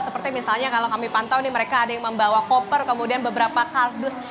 seperti misalnya kalau kami pantau nih mereka ada yang membawa koper kemudian beberapa kardus